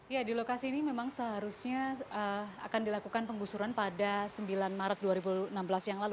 ya di lokasi ini memang seharusnya akan dilakukan penggusuran pada sembilan maret dua ribu enam belas yang lalu